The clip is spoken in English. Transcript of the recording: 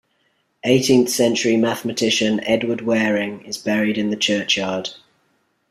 Eighteenth-century mathematician Edward Waring is buried in the churchyard.